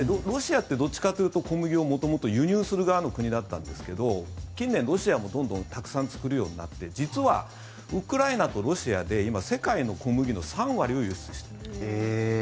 ロシアってどっちかというと小麦を元々輸入する国だったんですが近年、ロシアもどんどんたくさん作るようになって実はウクライナとロシアで今、世界の小麦の３割を輸出している。